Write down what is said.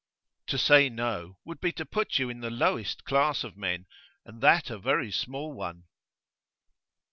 'To say no, would be to put you in the lowest class of men, and that a very small one.